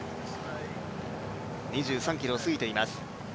２３ｋｍを過ぎています。